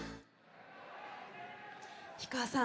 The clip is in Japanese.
氷川さん